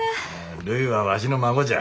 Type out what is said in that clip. るいはわしの孫じゃ。